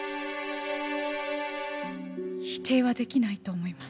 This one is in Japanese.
否定は出来ないと思います。